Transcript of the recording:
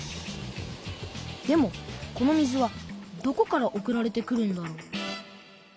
でもこの水はどこから送られてくるんだろう。